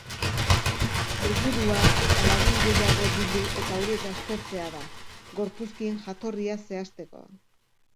Helburua lagin gehiago bildu eta horiek aztertzea da, gorpuzkien jatorria zehazteko.